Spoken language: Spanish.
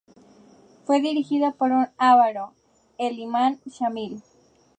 Fue dirigido por un ávaro, el imán Shamil.